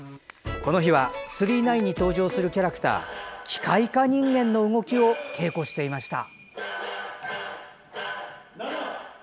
この日は「９９９」に登場するキャラクター機械化人間の動きを稽古していました。